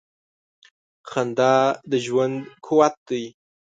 • خندا د ژوند قوت دی.